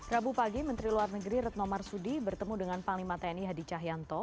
rabu pagi menteri luar negeri retno marsudi bertemu dengan panglima tni hadi cahyanto